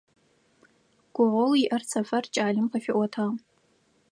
Гугъоу иӀэр Сэфэр кӀалэм къыфиӀотагъ.